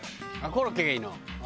コロッケがいいの？